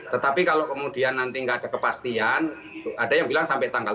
tetapi kalau kemudian nanti nggak ada kepastian ada yang bilang sampai tanggal